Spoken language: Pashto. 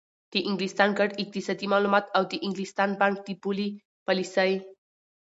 د انګلستان ګډ اقتصادي معلومات او د انګلستان بانک د پولي پالیسۍ